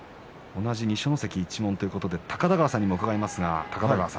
同じ二所ノ関一門ということで高田川さんに伺います。